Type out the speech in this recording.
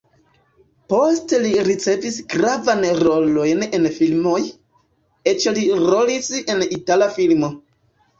Poste li ricevis gravajn rolojn en filmoj, eĉ li rolis en itala filmo.